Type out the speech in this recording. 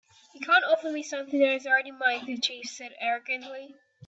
"You can't offer me something that is already mine," the chief said, arrogantly.